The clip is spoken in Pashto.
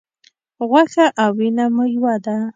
غوښه او وینه مو یوه ده.